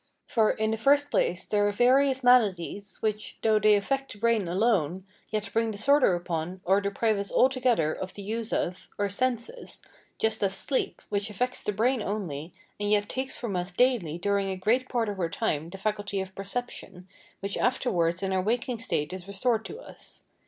For, in the first place, there are various maladies, which, though they affect the brain alone, yet bring disorder upon, or deprive us altogether of the use of, our senses, just as sleep, which affects the brain only, and yet takes from us daily during a great part of our time the faculty of perception, which afterwards in our waking state is restored to us.